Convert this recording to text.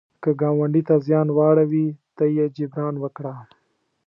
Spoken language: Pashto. که ګاونډي ته زیان واړوي، ته یې جبران وکړه